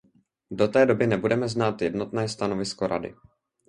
Do té doby nebudeme znát jednotné stanovisko Rady.